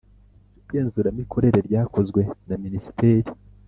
Igenzuramikorere ryakozwe na minisiteri.